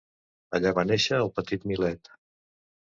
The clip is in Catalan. Allà va néixer el petit Milet.